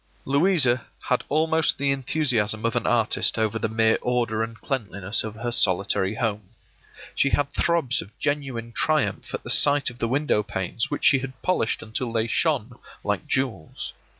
Louisa had almost the enthusiasm of an artist over the mere order and cleanliness of her solitary home. She had throbs of genuine triumph at the sight of the window panes which she had polished until they shone like jewels.